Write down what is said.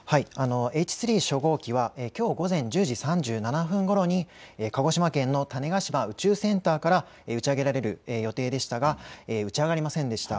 Ｈ３初号機はきょう午前１０時３７分ごろに鹿児島県の種子島宇宙センターから打ち上げられる予定でしたが打ち上がりませんでした。